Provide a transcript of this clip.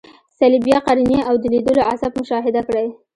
صلبیه، قرنیه او د لیدلو عصب مشاهده کړئ.